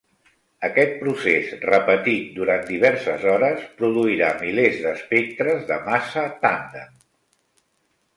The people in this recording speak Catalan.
Aquest procés, repetit durant diverses hores, produirà milers d'espectres de massa tàndem.